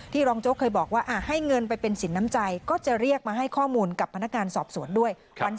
รองโจ๊กเคยบอกว่าให้เงินไปเป็นสินน้ำใจก็จะเรียกมาให้ข้อมูลกับพนักงานสอบสวนด้วย